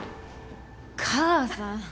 母さん。